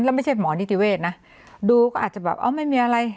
แล้วไม่ใช่หมอนิติเวศนะดูก็อาจจะแบบเอาไม่มีอะไร